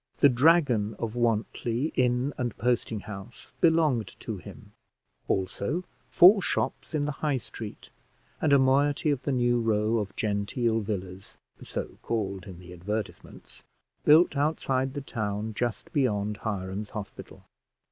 The Dragon of Wantly inn and posting house belonged to him, also four shops in the High Street, and a moiety of the new row of genteel villas (so called in the advertisements), built outside the town just beyond Hiram's Hospital.